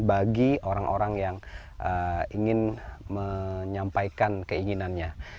bagi orang orang yang ingin menyampaikan keinginannya